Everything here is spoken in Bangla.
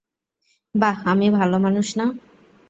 বা আমি ভালো মানুষ না?